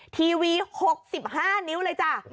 ทีวี๖๕นิ้วเลยจ้ะ